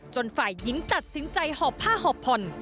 จนฝ่ายยิงตัดสินใจหอบผ้าหอบพล